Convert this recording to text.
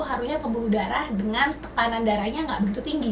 harusnya pembuluh darah dengan tekanan darahnya nggak begitu tinggi